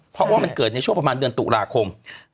เพราะว่ามันเกิดในช่วงประมาณเดือนตุลาคม